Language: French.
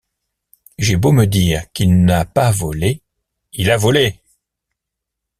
J’ai beau me dire qu’il n’a pas volé, il a volé!